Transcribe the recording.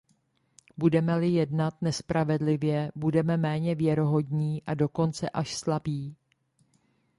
Budeme-li jednat nespravedlivě, budeme méně věrohodní a dokonce až slabí.